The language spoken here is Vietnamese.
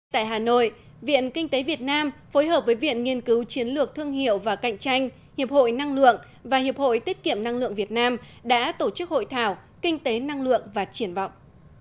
tại hà nội viện kinh tế việt nam phối hợp với viện nghiên cứu chiến lược thương hiệu và cạnh tranh hiệp hội năng lượng và hiệp hội tiết kiệm năng lượng việt nam đã tổ chức hội thảo kinh tế năng lượng và triển vọng